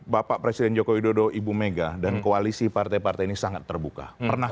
bapak presiden joko widodo ibu mega dan koalisi partai partai ini sangat terbuka